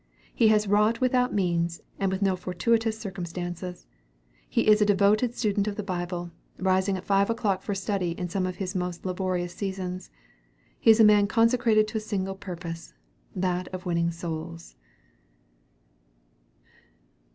He has wrought without means, and with no fortuitous circumstances. He is a devoted student of the Bible, rising at five o'clock for study in some of his most laborious seasons. He is a man consecrated to a single purpose, that of winning souls.